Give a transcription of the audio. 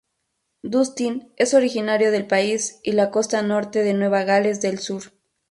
Dustin es originario del país y la costa norte de Nueva Gales del Sur.